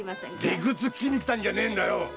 理屈を聞きに来たんじゃねえよ！